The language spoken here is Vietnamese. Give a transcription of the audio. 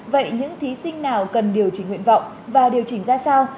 vậy những thí sinh nào cần điều chỉnh nguyện vọng và điều chỉnh ra sao